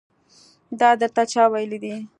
دا درته چا ويلي دي.